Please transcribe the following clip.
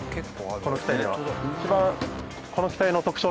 この機体では。